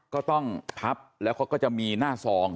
ก็ต้องพับแล้วเขาก็จะมีหน้าซอง